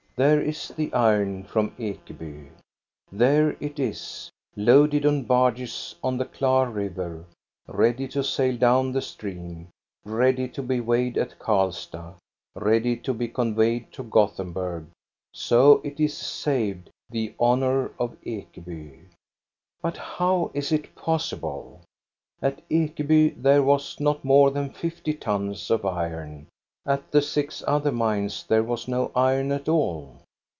There is the iron from Ekeby. There it is, loaded on barges on the Klar River, ready to sail down the stream, ready to be weighed at Karlstad, ready to be conveyed to Gothenburg. So it is saved, the honor of Ekeby. But how is it possible? At Ekeby there was not more than fifty tons of iron, at the six other mines there was no iron at all.